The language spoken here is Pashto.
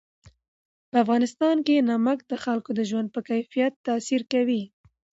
په افغانستان کې نمک د خلکو د ژوند په کیفیت تاثیر کوي.